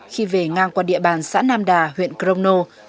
khi về ngang qua địa bàn xã nam đà huyện crono